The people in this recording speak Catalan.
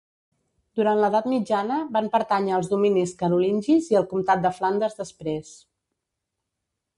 Durant l'Edat Mitjana van pertànyer als dominis carolingis i al comtat de Flandes després.